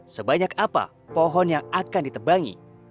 sebanyak apa pohon yang akan ditebangi